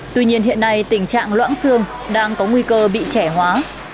tuy nhiên hiện nay tình trạng loãng xương đang có nguy cơ bị trẻ hóa